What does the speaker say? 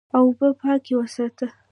اوبه پاکې وساته.